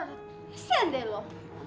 kesan deh lo